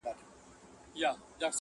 o نوي خبرونه د دې کيسې ځای نيسي هر ځای,